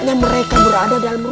sama braat penuh haanda ker evening